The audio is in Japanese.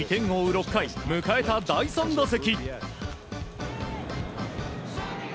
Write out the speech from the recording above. ６回、迎えた第３打席。